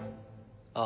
ああ。